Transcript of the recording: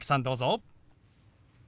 どうぞ。